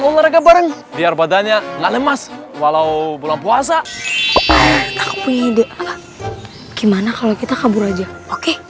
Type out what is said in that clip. olahraga bareng biar badannya ngelemas walau bulan puasa gimana kalau kita kabur aja oke